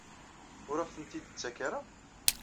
Ur aɣ-tent-id-tettak ara?